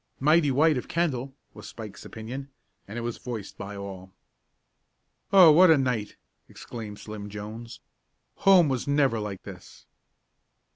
"Mighty white of Kendall," was Spike's opinion, and it was voiced by all. "Oh, what a night!" exclaimed Slim Jones. "Home was never like this!"